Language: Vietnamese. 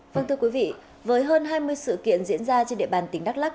vâng thưa quý vị với hơn hai mươi sự kiện diễn ra trên địa bàn tỉnh đắk lắc